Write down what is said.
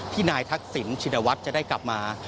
นายทักษิณชินวัฒน์จะได้กลับมา